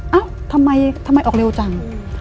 เอ๊ะทำไมทำไมออกเร็วจัง